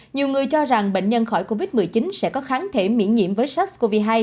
nhiều người cho rằng bệnh nhân khỏi covid một mươi chín sẽ có kháng thể miễn nhiễm với sars cov hai